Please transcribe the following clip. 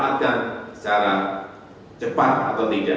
kita memanfaatkan secara cepat atau tidak